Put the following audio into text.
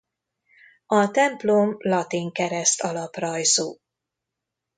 A templom latin kereszt alaprajzú.